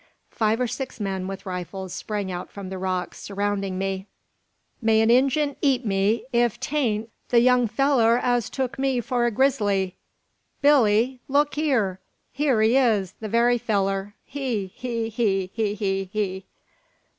Five or six men with rifles sprang out from the rocks, surrounding me. "May an Injun eat me ef 'tain't the young fellur as tuk me for a grizzly! Billee! look hyur! hyur he is! the very fellur! He! he! he! He! he! he!"